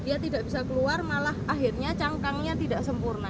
dia tidak bisa keluar malah akhirnya cangkangnya tidak sempurna